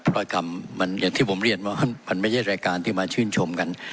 รอยคำมันอย่างที่ผมเรียนว่ามันไม่ใช่รายการที่มาชื่นชมกัน